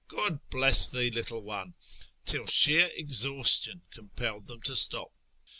God bless thee, little one !"), till sheer exhaustion compelled them to stop.